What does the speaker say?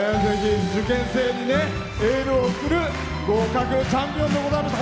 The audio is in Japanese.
受験生にエールを送る合格、チャンピオンでした。